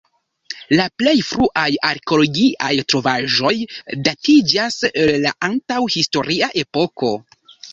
La plej fruaj arkeologiaj trovaĵoj datiĝas el la antaŭ-historia epoko.